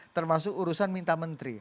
termasuk urusan minta menteri